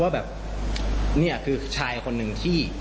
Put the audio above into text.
ว่าแบบนี่คือชายคนหนึ่งที่